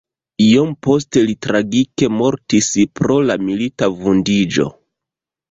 Iom poste li tragike mortis pro la milita vundiĝo.